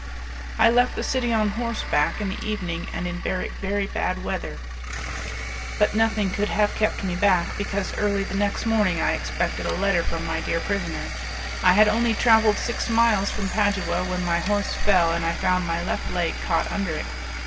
I left the city on horseback in the evening and in very bad weather, but nothing could have kept me back, because early the next morning I expected a letter from my dear prisoner. I had only travelled six miles from Padua when my horse fell, and I found my left leg caught under it.